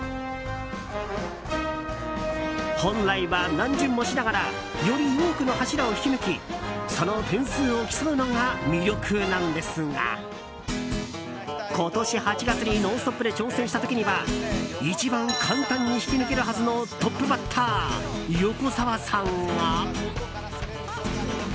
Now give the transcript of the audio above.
本来は何巡もしながらより多くの柱を引き抜きその点数を競うのが魅力なんですが今年８月に「ノンストップ！」で挑戦した時には一番簡単に引き抜けるはずのトップバッター、横澤さんが。